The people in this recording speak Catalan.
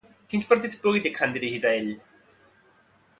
Quins partits polítics s'han dirigit a ell?